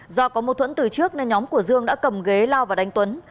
do có mâu thuẫn từ trước nên nhóm của dương đã cầm ghế lao và đánh tuấn